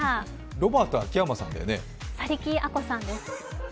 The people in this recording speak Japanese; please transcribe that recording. ロバート秋山さんだよね。